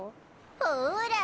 ほら。